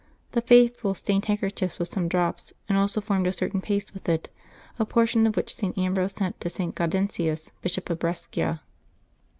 The faithful stained handkerchiefs with some drops, and also formed a certain paste with it, a portion of which St. Ambrose sent to St. Gaudentius, Bishop of Brescia.